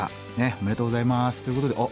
おめでとうございます。ということであっ。